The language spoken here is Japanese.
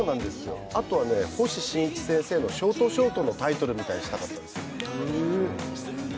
あとは星新一先生のショートショートのタイトルみたいにしたかったんです。